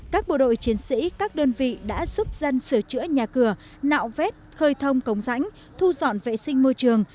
các bộ đội chiến sĩ các đơn vị đã giúp dân sửa chữa nhà cửa nạo vét khơi thông cống rãnh thu dọn vệ sinh môi trường